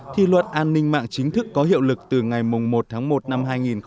thì luật an ninh mạng chính thức có hiệu lực từ ngày một tháng một năm hai nghìn hai mươi